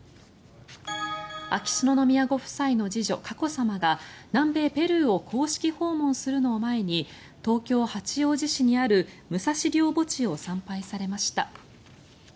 秋篠宮ご夫妻の次女・佳子さまが南米ペルーを公式訪問するのを前に東京・八王子市にある武蔵陵墓地を参拝されました。